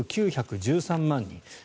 １億９１３万人。